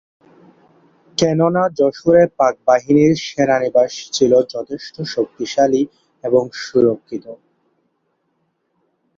কেননা যশোরে পাকবাহিনীর সেনানিবাস ছিল যথেষ্ট শক্তিশালী এবং সুরক্ষিত।